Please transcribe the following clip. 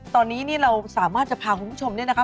ตอนนี้นี่เราสามารถจะพาคุณผู้ชมเนี่ยนะคะ